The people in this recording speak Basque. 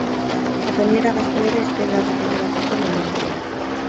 Japoniera-gaztelera hiztegi bat argitaratu zuen handik gutxira.